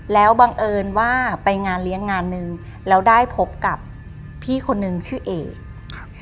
แล้วบังเอิญว่าไปงานเลี้ยงงานหนึ่งแล้วได้พบกับพี่คนนึงชื่อเอกครับ